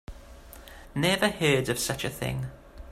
Never heard of such a thing.